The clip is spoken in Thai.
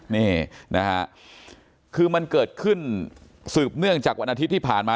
นี่นะฮะคือมันเกิดขึ้นสืบเนื่องจากวันอาทิตย์ที่ผ่านมา